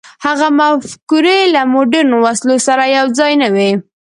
هغه مفکورې له مډرنو وسلو سره یو ځای نه وې.